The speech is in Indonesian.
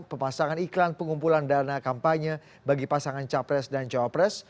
pemasangan iklan pengumpulan dana kampanye bagi pasangan capres dan cawapres